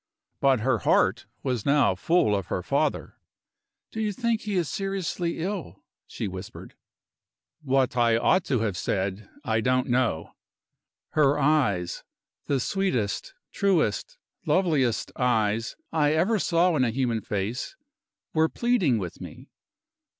But her heart was now full of her father. "Do you think he is seriously ill?" she whispered. What I ought to have said I don't know. Her eyes, the sweetest, truest, loveliest eyes I ever saw in a human face, were pleading with me.